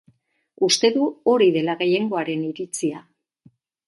Uste du hori dela gehiengoaren iritzia.